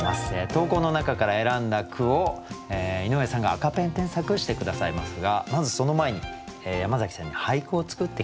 投稿の中から選んだ句を井上さんが赤ペン添削して下さいますがまずその前に山崎さんに俳句を作ってきて頂きました。